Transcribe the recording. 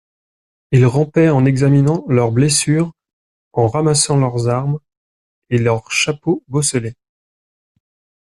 Ils rampaient en examinant leurs blessures, en ramassant leurs armes et leurs chapeaux bosselés!